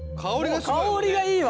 香りがいいわ。